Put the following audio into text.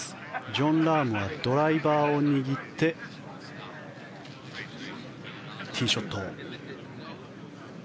ジョン・ラームはドライバーを握ってティーショット。